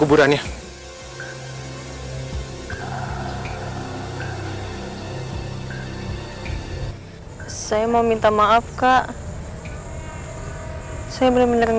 bibur sendiri dong